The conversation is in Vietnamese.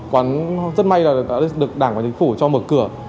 quán rất may là đã được đảng và chính phủ cho mở cửa